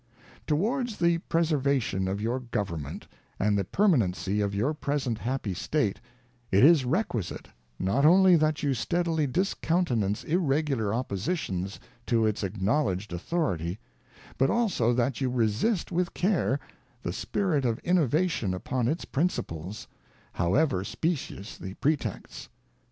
ŌĆö Towards the preservation of your Govern ment and the permanency of your present happy state, it is requisite, not only that you steadily discountenance irregular oppositions to its acknowledged authority, but also that you resist with care the spirit of innovation upon its principles, however specious the pretexts.